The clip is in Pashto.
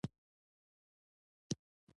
له ځینو تصانیفو څخه یې انتخاب شوی.